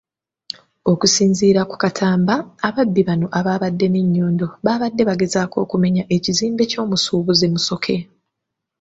Okusinziira ku Katamba, ababbi bano abaabadde n'ennyondo baabadde bagezaako okumenya ekizimbe ky'omusuubuzi Musoke.